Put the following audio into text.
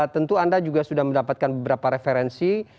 tentu anda juga sudah mendapatkan beberapa referensi